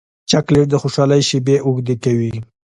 چاکلېټ د خوشحالۍ شېبې اوږدې کوي.